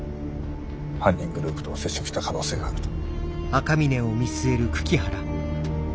犯人グループと接触した可能性があると。